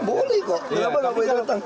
boleh kok kenapa nggak boleh datang